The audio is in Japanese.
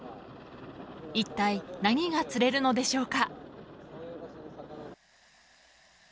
いったい何が釣れるのでしょうか。